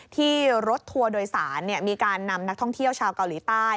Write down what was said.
ที่รถทัวร์โดยสารมีการนำนักท่องเที่ยวชาวเกาหลีใต้